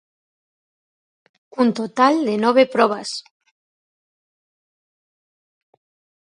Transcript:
Un total de nove probas.